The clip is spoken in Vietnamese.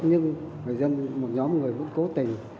nhưng người dân một nhóm người vẫn cố tình